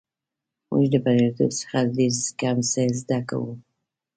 موږ د بریالیتوب څخه ډېر کم څه زده کوو.